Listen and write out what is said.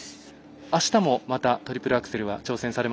あしたも、またトリプルアクセルははい。